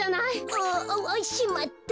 あわわしまった！